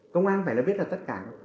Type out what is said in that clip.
công an phải nó biết là tất cả